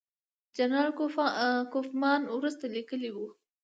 جنرال کوفمان وروسته لیکلي وو.